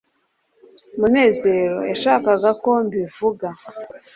munezero yashaka ko mbivuga